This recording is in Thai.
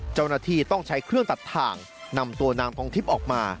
เจ้าหน้าที่ต้องใช้เครื่องตัดถ่างนำตัวนางทองทิพย์ออกมา